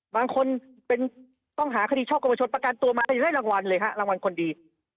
บางคนเป็นต้องหาคดีช่อกวชนประกันตัวมายังได้รางวัลเลยฮะรางวัลคนดี